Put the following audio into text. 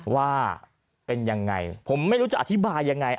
ว่าเป็นอย่างไรผมไม่รู้จะอธิบายอย่างไร